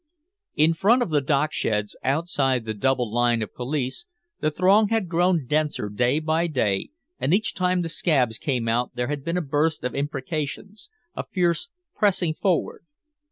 In front of the docksheds, outside the double line of police, the throng had grown denser day by day, and each time the "scabs" came out there had been a burst of imprecations, a fierce pressing forward.